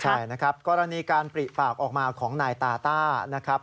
ใช่นะครับกรณีการปริปากออกมาของนายตาต้านะครับ